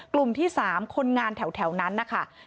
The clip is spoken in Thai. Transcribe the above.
กลุ่มที่๓คนงานแถวนั้นนะคะ